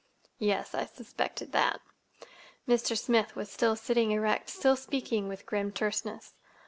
"Yes, I suspected that." Mr. Smith was still sitting erect, still speaking with grim terseness.